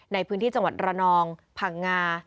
ในพื้นที่จังหวัดระนองพังงา